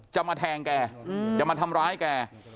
จะมาแทงแกจะมาทำร้ายแก